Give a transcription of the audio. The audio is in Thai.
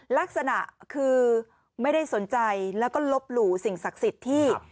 ลักษณะคือไม่ได้สนใจแล้วก็ลบหลู่สิ่งศักดิ์สิทธิ์ที่